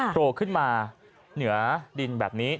โผล่ขึ้นมาเหนือดินแบบนี้